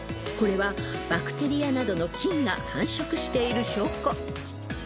［これはバクテリアなどの菌が繁殖している証拠］